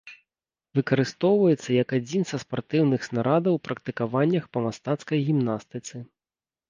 Выкарыстоўваецца як адзін са спартыўных снарадаў у практыкаваннях па мастацкай гімнастыцы.